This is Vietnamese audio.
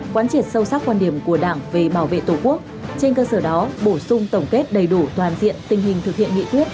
khảo sát quan điểm của đảng về bảo vệ tổ quốc trên cơ sở đó bổ sung tổng kết đầy đủ toàn diện tình hình thực hiện nghị quyết